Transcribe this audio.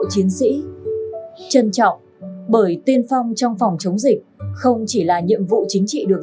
chiến sĩ trân trọng bởi tiên phong trong phòng chống dịch không chỉ là nhiệm vụ chính trị được